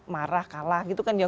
marah kalah itu kan yang